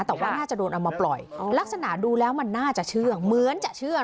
แต่ว่าน่าจะโดนเอามาปล่อยลักษณะดูแล้วมันน่าจะเชื่องเหมือนจะเชื่อ